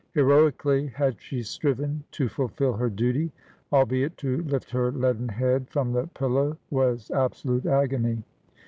Heroically had she striven to fulfil her duty, albeit to lift her leaden head from the pillow was absolute agony.